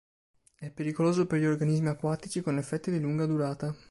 È pericoloso per gli organismi acquatici con effetti di lunga durata.